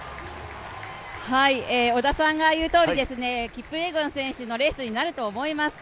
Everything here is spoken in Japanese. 織田さんが言うとおりキプイエゴン選手のレースになると思います。